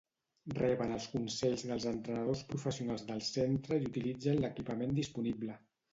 Reben els consells dels entrenadors professionals del Centre i utilitzen l'equipament disponible.